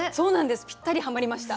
ぴったりはまりました。